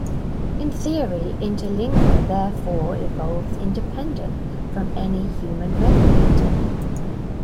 In theory, Interlingua therefore evolves independent from any human regulator.